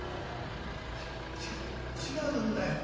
「違う違う違うんだよ。